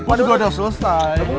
aduh udah selesai